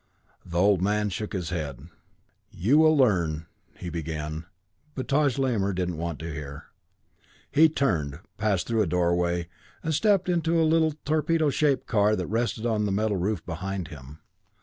The old man shook his head. "You will learn " he began, but Taj Lamor did not want to hear. He turned, passed through a doorway, and stepped into a little torpedo shaped car that rested on the metal roof behind him.